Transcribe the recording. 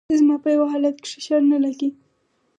زما په يو حالت کښې شر نه لګي